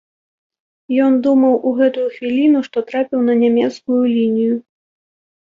Ён думаў у гэтую хвіліну, што трапіў на нямецкую лінію.